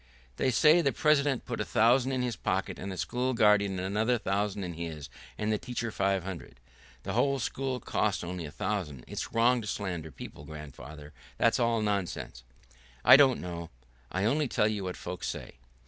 "They say the president put a thousand in his pocket, and the school guardian another thousand in his, and the teacher five hundred." "The whole school only cost a thousand. It's wrong to slander people, grandfather. That's all nonsense." "I don't know,... I only tell you what folks say."